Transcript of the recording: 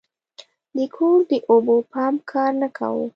د کور د اوبو پمپ کار نه کاوه.